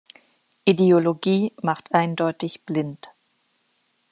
Ideologie macht eindeutig blind.